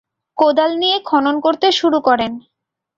কোদাল নিয়ে খনন করতে শুরু করেন।